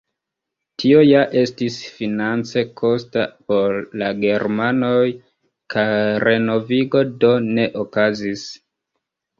Tio ja estis finance kosta por la germanoj kaj renovigo do ne okazis.